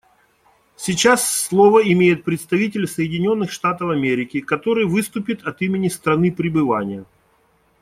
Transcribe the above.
Сейчас слово имеет представитель Соединенных Штатов Америки, который выступит от имени страны пребывания.